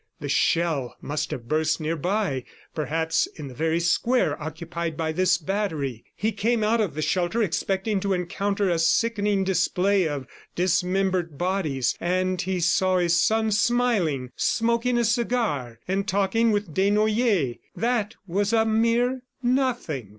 ... The shell must have burst nearby, perhaps in the very square occupied by this battery. He came out of the shelter, expecting to encounter a sickening display of dismembered bodies, and he saw his son smiling, smoking a cigar and talking with Desnoyers. ... That was a mere nothing!